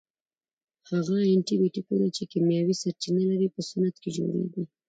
هغه انټي بیوټیکونه چې کیمیاوي سرچینه لري په صنعت کې جوړیږي.